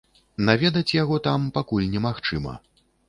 Наведаць яго там пакуль немагчыма.